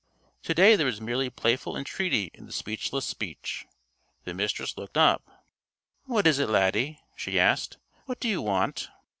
To day there was merely playful entreaty in the speechless "speech." The Mistress looked up. "What is it, Laddie?" she asked. "What do you want?"